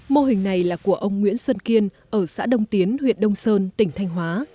mô hình này là của ông nguyễn xuân kiên ở xã đông tiến huyện đông sơn tỉnh thanh hóa